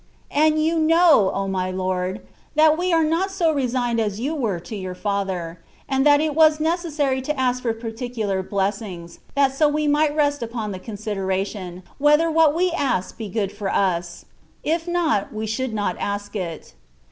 And You know, O my Lord, that we are not so re signed as You were to Your Father, and that it was necessary to ask for particular blessings, that so we might rest upon the consideration, whether what we ask be good for us : if not, we should not ask it.